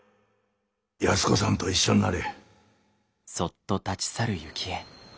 安子さんと一緒んなれ。